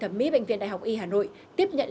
thẩm mỹ bệnh viện đại học y hà nội tiếp nhận